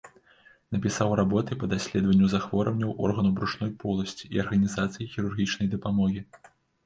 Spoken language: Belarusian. Напісаў работы па даследаванню захворванняў органаў брушной поласці і арганізацыі хірургічнай дапамогі.